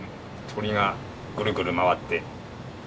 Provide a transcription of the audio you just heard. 鳥がぐるぐる回って。